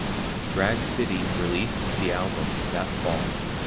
Drag City released the album that fall.